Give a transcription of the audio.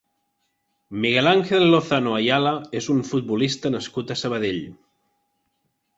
Miguel Ángel Lozano Ayala és un futbolista nascut a Sabadell.